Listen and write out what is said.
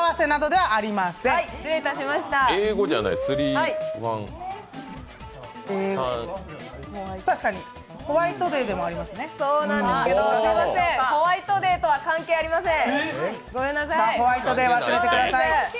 すいませんホワイトデーとは関係ありません。